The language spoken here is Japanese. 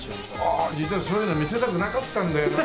実はそういうの見せたくなかったんだよな。